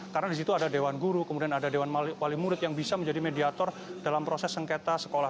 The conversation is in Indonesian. karena di situ ada dewan guru kemudian ada dewan wali murid yang bisa menjadi mediator dalam proses sengketa sekolah